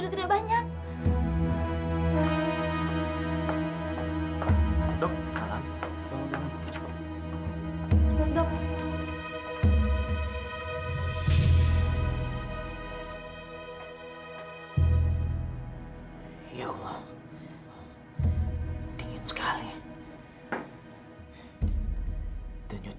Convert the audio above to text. tidak ada dok karena itu saya menemui dokter